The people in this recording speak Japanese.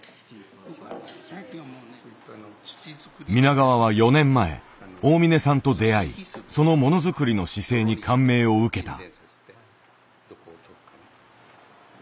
皆川は４年前大嶺さんと出会いそのものづくりの姿勢に感銘を受けた。